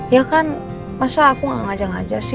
ya kan masa aku gak ngajar ngajar sih